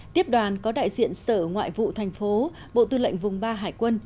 tiếp đoàn có đại diện sở ngoại vụ thành phố bộ tư lệnh vùng ba hải quân